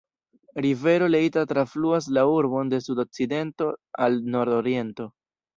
Rivero Leitha trafluas la urbon de sud-okcidento al nord-oriento.